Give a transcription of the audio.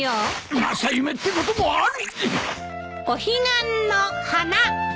正夢ってこともある！